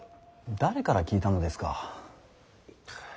誰から聞いたのですか。